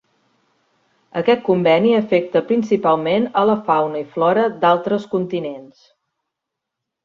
Aquest conveni afecta principalment a la fauna i flora d'altres continents.